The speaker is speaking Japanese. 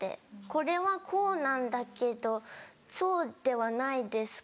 これはこうなんだけどそうではないですか？